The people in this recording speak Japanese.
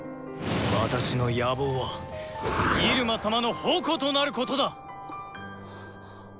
私の野望は入間様の矛となることだ！